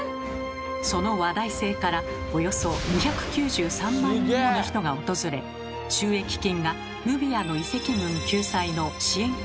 その話題性からおよそ２９３万人もの人が訪れ収益金がヌビアの遺跡群救済の支援金の一部となったのです。